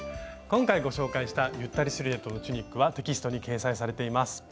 今回ご紹介した「ゆったりシルエットのチュニック」はテキストに掲載されています。